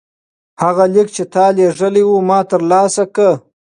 هغه لیک چې تا لیږلی و ما ترلاسه کړ.